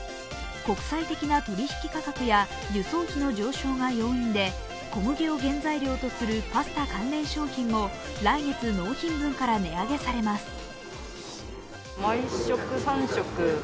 国際的な取引価格や輸送機の上昇が要因で小麦を原材料とするパスタ関連商品も来月納品分から値上げされます。